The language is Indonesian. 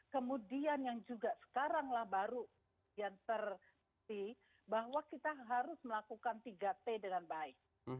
kemudian yang juga sekarang lah baru yang terbukti bahwa kita harus melakukan tiga t dengan baik